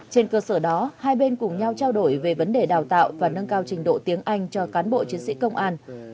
trên cơ sở đó hai bên cùng nhau trao đổi về vấn đề đào tạo và nâng cao trình độ tiếng anh cho cán bộ chiến sĩ công an